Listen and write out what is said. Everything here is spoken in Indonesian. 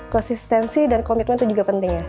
konsistensi dan komitmen itu juga penting ya